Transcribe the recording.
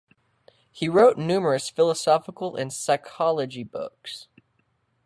He wrote numerous philosophical and psychology books.